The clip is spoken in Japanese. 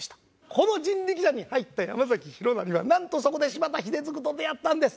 この人力舎に入った山崎弘也はなんとそこで柴田英嗣と出会ったんです。